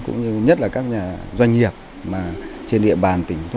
cũng như nhất là các doanh nghiệp trên địa bàn tỉnh